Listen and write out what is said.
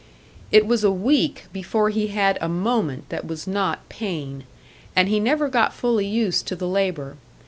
It was a week before he had a moment that was not pain; and he never got fully used to the labour.